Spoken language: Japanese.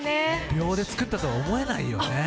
秒で作ったとは思えないよね。